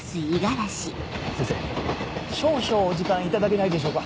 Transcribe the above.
先生少々お時間頂けないでしょうか。